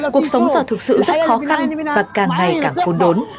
cuộc sống giờ thực sự rất khó khăn và càng ngày càng khôn đốn